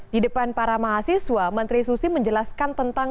di depan para mahasiswa menteri susi menjelaskan tentang